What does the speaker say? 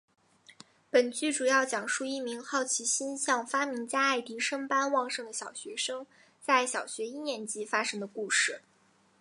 本剧主要讲述一名好奇心像发明家爱迪生般旺盛的小学生在小学一年级发生的故事。